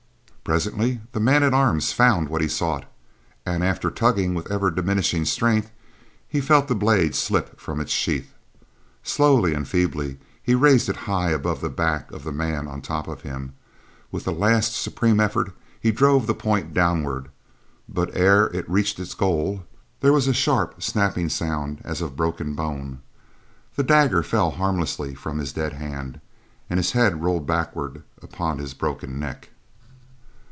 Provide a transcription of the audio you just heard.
Presently, the man at arms found what he sought, and, after tugging with ever diminishing strength, he felt the blade slip from its sheath. Slowly and feebly he raised it high above the back of the man on top of him; with a last supreme effort he drove the point downward, but ere it reached its goal, there was a sharp snapping sound as of a broken bone, the dagger fell harmlessly from his dead hand, and his head rolled backward upon his broken neck.